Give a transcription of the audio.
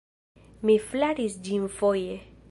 Mi flaris ĝin foje.